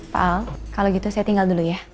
pak al kalau gitu saya tinggal dulu ya